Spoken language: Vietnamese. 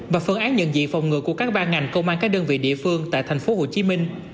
và phân án nhận diện phòng ngừa của các ba ngành công an các đơn vị địa phương tại tp hcm